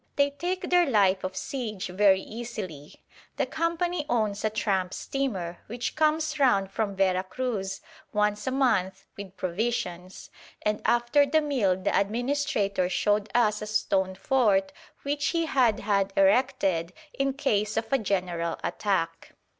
They take their life of siege very easily; the Company owns a tramp steamer which comes round from Vera Cruz once a month with provisions; and after the meal the administrator showed us a stone fort which he had had erected in case of a general attack.